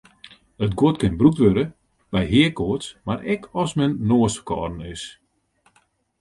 It guod kin brûkt wurde by heakoarts mar ek as men noasferkâlden is.